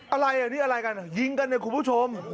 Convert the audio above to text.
อะไรอ่ะนี่อะไรกันอ่ะยิงกันเนี่ยคุณผู้ชม